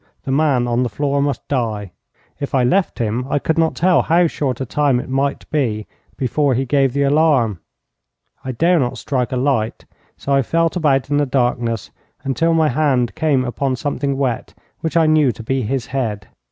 The man on the floor must die. If I left him I could not tell how short a time it might be before he gave the alarm. I dare not strike a light, so I felt about in the darkness until my hand came upon something wet, which I knew to be his head.